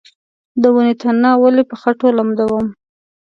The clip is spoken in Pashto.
د ونې تنه ولې په خټو لمدوم؟